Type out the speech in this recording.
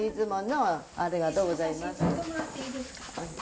写真撮ってもらっていいですか？